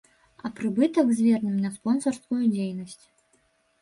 А прыбытак звернем на спонсарскую дзейнасць.